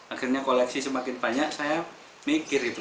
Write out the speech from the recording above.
akhirnya koleksi semakin banyak saya